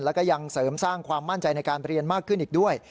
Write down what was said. แล้วก็ยังเสริมสร้างความมั่นใจในการเรียนมากขึ้นอีกด้วย